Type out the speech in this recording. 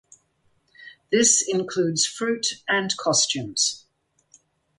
This includes fruit and costumes.